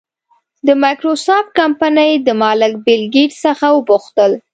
د مایکروسافټ کمپنۍ د مالک بېل ګېټس څخه وپوښتل.